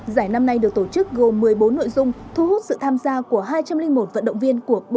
giải năm nay được tổ chức gồm một mươi bốn nội dung thu hút sự tham gia của hai trăm linh một vận động viên của